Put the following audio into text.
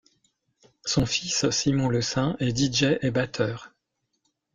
Son fils Simon LeSaint est Dj et batteur.